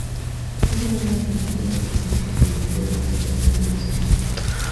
Es una gran herramienta en el diagnóstico y seguimiento de las enfermedades vasculares.